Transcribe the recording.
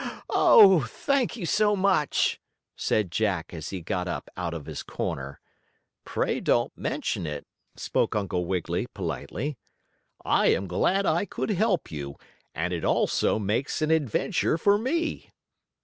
"Oh, thank you, so much!" said Jack, as he got up out of his corner. "Pray don't mention it," spoke Uncle Wiggily, politely. "I am glad I could help you, and it also makes an adventure for me."